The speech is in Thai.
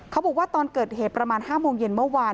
บอกว่าตอนเกิดเหตุประมาณ๕โมงเย็นเมื่อวาน